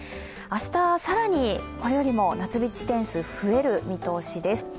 明日、更にこれよりも夏日地点数が増える見通しです。